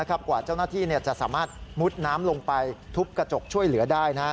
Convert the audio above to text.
กว่าเจ้าหน้าที่จะสามารถมุดน้ำลงไปทุบกระจกช่วยเหลือได้